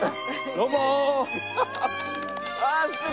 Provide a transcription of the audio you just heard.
どうも。